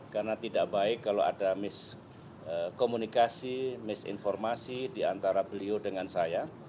karena tidak baik kalau ada miskomunikasi misinformasi diantara beliau dengan saya